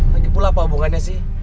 lagi pula apa hubungannya sih